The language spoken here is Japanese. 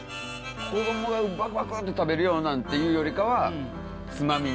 子どもがばくばくって食べるようなんっていうよりは、つまみに。